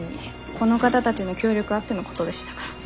この方たちの協力あってのことでしたから。